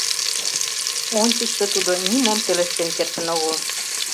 Ончычшо тудо нимом пелештен кертын огыл.